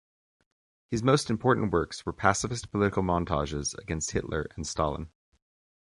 His most important works were pacifist political montages against Hitler and Stalin.